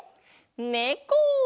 ねこ！